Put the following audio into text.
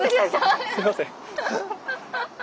すいません。